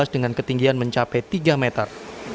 dengan ketinggian mencapai tiga meter